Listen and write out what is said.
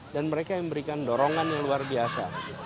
dan mereka yang memberikan dorongan yang luar biasa